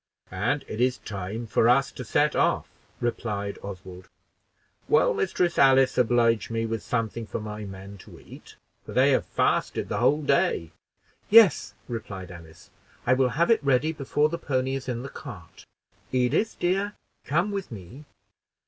"And it is time for us to set off," replied Oswald. "Will Mistress Alice oblige me with something for my men to eat, for they have fasted the whole day." "Yes," replied Alice; "I will have it ready before the pony is in the cart. Edith, dear, come with me."